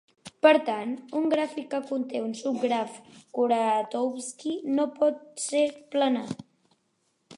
Per tant, un gràfic que conté un subgraf Kuratowski no pot ser planar.